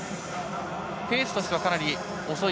ペースとしてはかなり遅い。